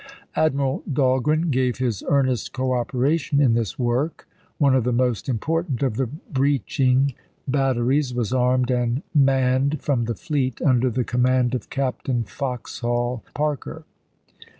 Admi ral Dahlgren gave his earnest cooperation in this work ; one of the most important of the breaching batteries was armed and manned from the fleet, under the command of Captain Foxhall Parker.